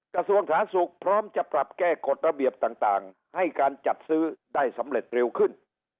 กระทรวงสาธารณสุขพร้อมจะปรับแก้กฎระเบียบต่างให้การจัดซื้อได้สำเร็จเร็วขึ้น